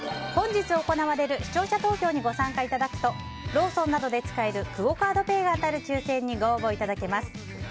本日行われる視聴者投票にご参加いただくとローソンなどで使えるクオ・カードペイが当たる抽選にご応募いただけます。